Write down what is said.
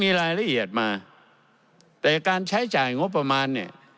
มีรายละเอียดมาแต่การใช้จ่ายงบประมาณเนี่ย